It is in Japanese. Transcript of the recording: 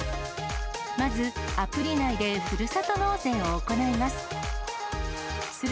まずアプリ内でふるさと納税を行います。